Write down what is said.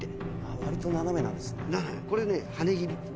割と斜めなんですね。